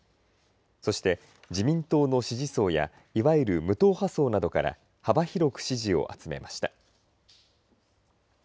そして、自民党の支持層やいわゆる無党派層などから幅広く支持を集めました。